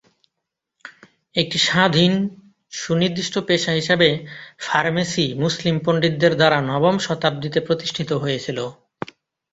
একটি স্বাধীন, সুনির্দিষ্ট পেশা হিসাবে ফার্মেসি মুসলিম পণ্ডিতদের দ্বারা নবম শতাব্দীতে প্রতিষ্ঠিত হয়েছিল।